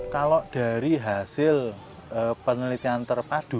kalau dari hasil penelitian terpadu